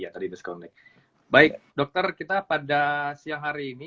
baik dokter kita pada siang hari ini